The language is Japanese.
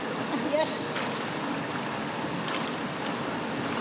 よし！